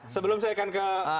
sebelum saya akan ke